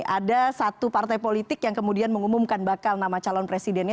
ada satu partai politik yang kemudian mengumumkan bakal nama calon presidennya